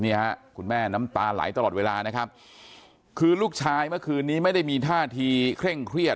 คุณแม่น้ำตาไหลตลอดเวลานะครับคือลูกชายเมื่อคืนนี้ไม่ได้มีท่าทีเคร่งเครียด